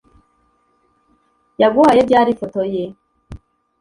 Yaguhaye ryari ifoto ye